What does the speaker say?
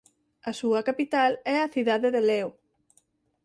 A súa capital é a cidade de Léo.